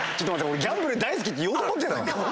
俺ギャンブル大好きって言おうと思ってたの！